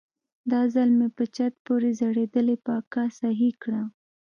دا ځل مې په چت پورې ځړېدلې پکه سهي کړه.